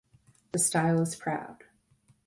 The style is proud.